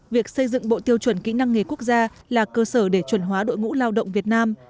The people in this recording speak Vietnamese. việc xây dựng bộ tiêu chuẩn kỹ năng nghề quốc gia là cơ sở để chuẩn hóa đội ngũ lao động việt nam